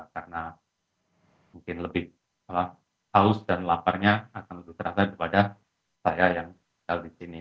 karena mungkin lebih haus dan laparnya akan terasa daripada saya yang tinggal di sini